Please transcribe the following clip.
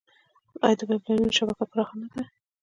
آیا د پایپ لاینونو شبکه پراخه نه ده؟